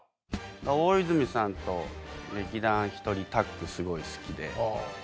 大泉さんと劇団ひとりタッグすごい好きで。